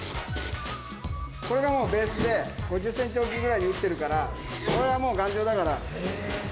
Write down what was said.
これがもうベースで、５０センチ置きぐらいに打ってるから、これはもう頑丈だから。